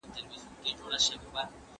جامد فکر انسان وروسته پاته کوي.